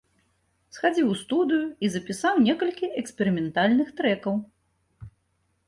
Схадзіў у студыю і запісаў некалькі эксперыментальных трэкаў.